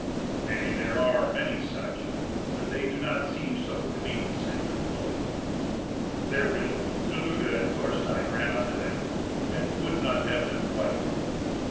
"Maybe there are many such, but they do not seem so to me," said Gunnlaug. Therewith Illugi and Thorstein ran up to them, and would not have them fight.